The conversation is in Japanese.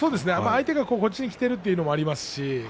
相手がこっちにきているということもありますね。